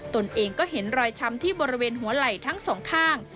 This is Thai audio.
ตนเองก็เห็นรอยช้ำที่บริเวณหัวไหล่ทั้งสองข้าง